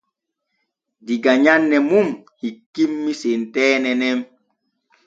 Diga nyanne mun hikkimmi senteene nen.